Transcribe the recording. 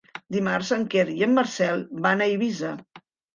Dimarts en Quer i en Marcel van a Eivissa.